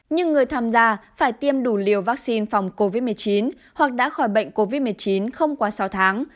nhưng người tham gia phải tiêm đủ liều vaccine phòng covid một mươi chín hoặc đã khỏi bệnh covid một mươi chín không quá sáu tháng